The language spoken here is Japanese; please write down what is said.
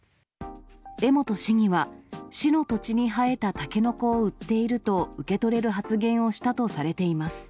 江本市議は、市の土地に生えたタケノコを売っていると受け取れる発言をしたとされています。